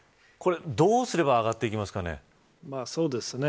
どうすれば上がってきますかね。